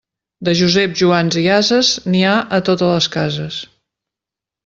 De Joseps, Joans i ases, n'hi ha a totes les cases.